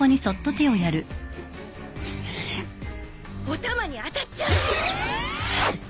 お玉に当たっちゃう。